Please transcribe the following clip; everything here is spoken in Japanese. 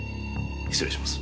失礼します。